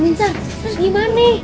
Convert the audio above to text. bisa terus gimane